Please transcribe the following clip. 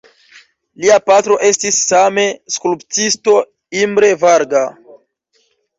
Lia patro estis same skulptisto Imre Varga.